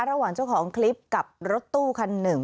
ระหว่างเจ้าของคลิปกับรถตู้คันหนึ่ง